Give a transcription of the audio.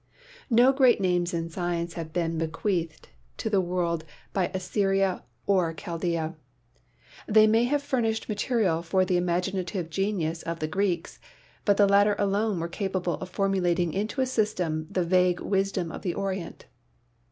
No great names in science have been bequeathed to the world by Assyria or Chaldea. They may have furnished material for the imaginative genius of the Greeks, but the latter alone were capable of formulating into a system the vague wisdom of the Orient.